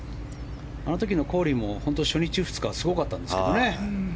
あの時のコーリーも初日、２つ目はすごかったんですけどね。